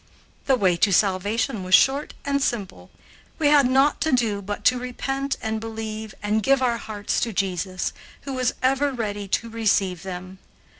The way to salvation was short and simple. We had naught to do but to repent and believe and give our hearts to Jesus, who was ever ready to receive them.